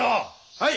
はい！